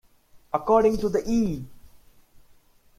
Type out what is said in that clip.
According to the E!